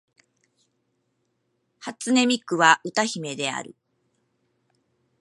初音ミクは歌姫である